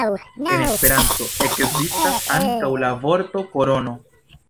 En Esperanto ekzistas ankaŭ la vorto korono.